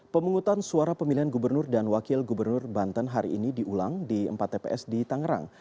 pemungutan suara pemilihan gubernur dan wakil gubernur banten hari ini diulang di empat tps di tangerang